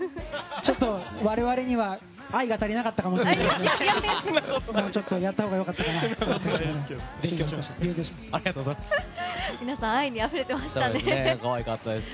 ちょっと我々には愛が足りなかったかもしれないです。